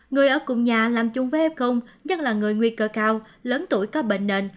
người ở cùng nhà làm chung với f nhất là người nguy cơ cao lớn tuổi có bệnh nền